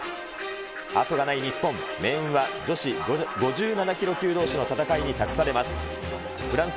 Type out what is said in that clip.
後がない日本、命運は女子５７キロ級どうしの戦いに託されます。